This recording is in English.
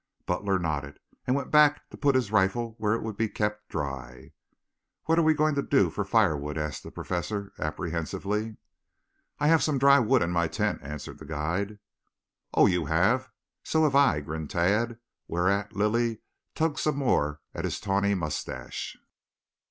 Butler nodded, and went back to put his rifle where it would keep dry. "What are we going to do for firewood?" asked the Professor apprehensively. "I have some dry wood in my tent," answered the guide. "Oh, you have? So have I," grinned Tad, whereat Lilly tugged some more at his tawny moustache.